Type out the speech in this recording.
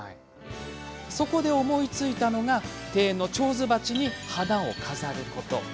そこで思いついたのが庭園の手水鉢に花を飾ること。